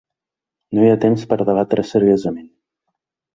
No hi ha temps per a debatre seriosament.